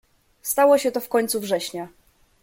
"Stało się to w końcu września."